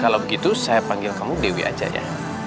kalau begitu saya panggil kamu dewi aja ya